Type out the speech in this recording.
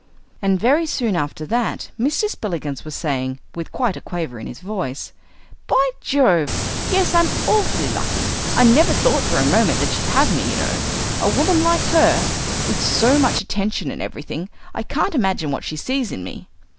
And very soon after that Mr. Spillikins was saying, with quite a quaver in his voice, "By Jove! yes, I'm awfully lucky; I never thought for a moment that she'd have me, you know a woman like her, with so much attention and everything. I can't imagine what she sees in me."